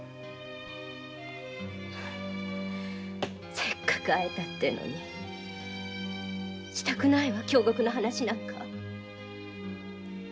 せっかく会えたってのにしたくないわ京極の話なんか。